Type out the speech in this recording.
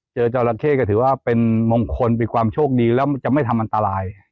จราเข้ก็ถือว่าเป็นมงคลมีความโชคดีแล้วจะไม่ทำอันตราย